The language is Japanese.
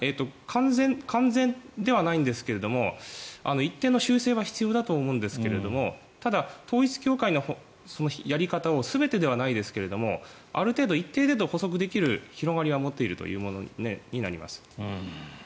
完全ではないですが一定の修正は必要だと思いますが統一教会のやり方を全てではないですがある一定程度捕捉できるという広がりは持っているというものになります。